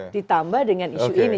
ditambah dengan isu ini